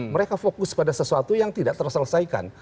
mereka fokus pada sesuatu yang tidak terselesaikan